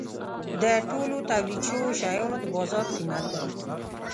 د ټولو تولید شوو شیانو د بازار قیمت دی.